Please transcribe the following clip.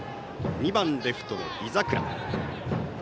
２番レフトの井櫻。